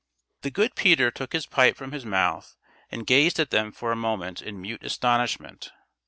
The good Peter took his pipe from his mouth, and gazed at them for a moment in mute astonishment.